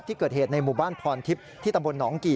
ที่เกิดเหตุในหมู่บ้านพรทิพย์ที่ตำบลหนองกี่